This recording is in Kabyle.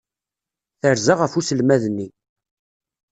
Terza ɣef uselmad-nni.